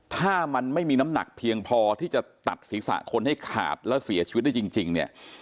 ถ้ามันไม่มีน้ำหนักเพียงพอที่จะตัดศีรษะคนให้ขาดแล้วเสียชีวิตได้จริงเนี่ย